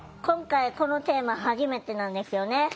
今回このテーマ初めてなんですよね？